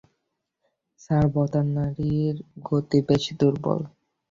Sir, বতার নাড়ির গতি বেশ দূর্বল।